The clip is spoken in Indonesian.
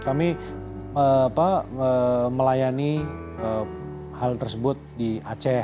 kami melayani hal tersebut di aceh